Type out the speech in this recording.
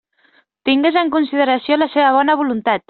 Tingues en consideració la seva bona voluntat!